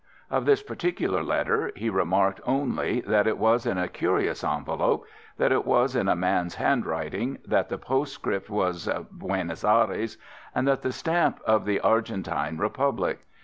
Of this particular letter he remarked only that it was in a curious envelope, that it was in a man's handwriting, that the postscript was Buenos Ayres, and the stamp of the Argentine Republic.